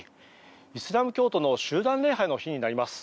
イスラム教徒の集団礼拝の日になります。